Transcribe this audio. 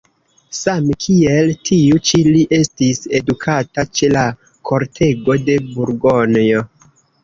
Same kiel tiu ĉi li estis edukata ĉe la kortego de Burgonjo.